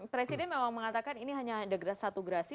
presiden memang mengatakan ini hanya satu gerasi